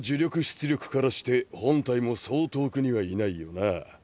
出力からして本体もそう遠くにはいないよな。